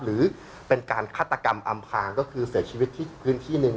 หรือเป็นการฆาตกรรมอำพางก็คือเสียชีวิตที่พื้นที่หนึ่ง